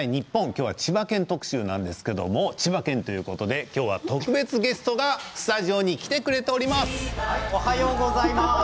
今日は千葉県特集なんですけれども千葉県ということで特別ゲストがスタジオに来てくれております。